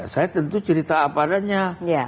saya tentu cerita apa adanya